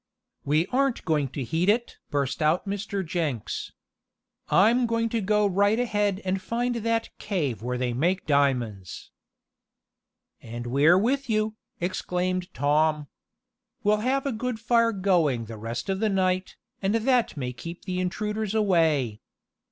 "We aren't going to heed it!" burst out Mr. Jenks. "I'm going to go right ahead and find that cave where they make diamonds!" "And we're with you!" exclaimed Tom. "We'll have a good fire going the rest of the night, and that may keep intruders away.